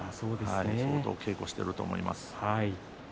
相当稽古していると思います。